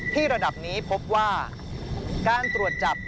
ระดับนี้พบว่าการตรวจจับ